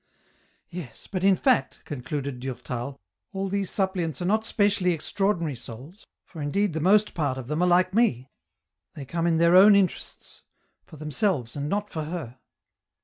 " Yes, but in fact," concluded Durtal, " all these sup pliants are not specially extraordinary souls, for indeed the most part of them are like me, they come in their own interests, for themselves and not for Her."